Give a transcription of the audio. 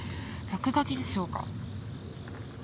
落書きでしょうか。